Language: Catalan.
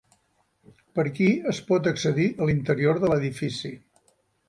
Per aquí es pot accedir a l'interior de l'edifici.